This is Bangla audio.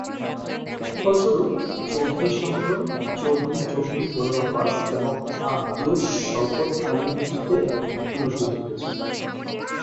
ফলস্বরূপ, চৌধুরী সম্মেলন চৌধুরী চৌধুরী গোলাম আব্বাস এবং আঃ শওকত আলীর নেতৃত্বে পুনর্জীবিত হয়েছিল।